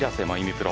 プロ。